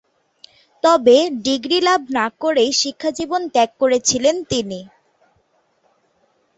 তবে, ডিগ্রী লাভ না করেই শিক্ষাজীবন ত্যাগ করেছিলেন তিনি।